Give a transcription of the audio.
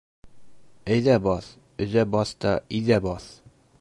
— Әйҙә баҫ, өҙә баҫ та иҙә баҫ!